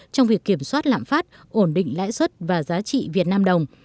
trong việc kiểm soát lạm phát ổn định lãi suất và giá trị việt nam đồng